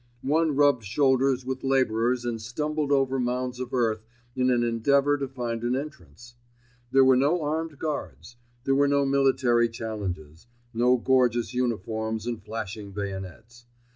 One rubbed shoulders with labourers and stumbled over mounds of earth in an endeavour to find an entrance. There were no armed guards. There were no military challenges—no gorgeous uniforms and flashing bayonets.